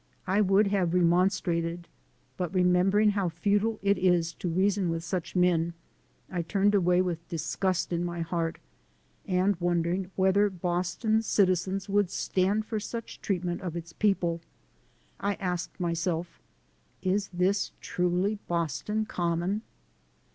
I would have remon strated, but remembering how futile it is to reason with such men, I turned away with disgust in my heart, and wondering whether Boston's citizens would stand for such treatment of its people. I asked myself: "Is this truly Boston Common?"